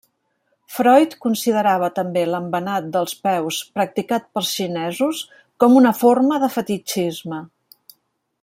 Freud considerava també l'embenat dels peus practicat pels xinesos com una forma de fetitxisme.